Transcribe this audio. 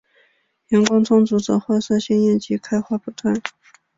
阳光充足则花色鲜艳及开花不断。